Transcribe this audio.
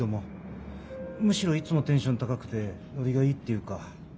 むしろいつもテンション高くてノリがいいっていうか。